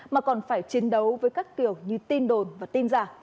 mà còn phải chiến đấu với các kiểu như tin đồn và tin giả